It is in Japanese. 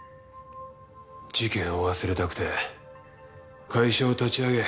事件を忘れたくて会社を立ち上げ